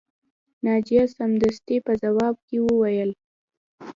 ناجیه سمدستي په ځواب کې وویل